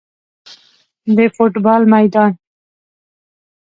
د فوټبال میدان